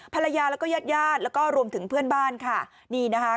ภรรยาแล้วก็ญาติญาติแล้วก็รวมถึงเพื่อนบ้านค่ะนี่นะคะ